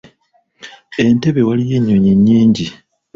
Entebbe waliyo ennyonyi nnyingi.